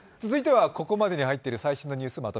続いてはここまでに入っている最新のニュース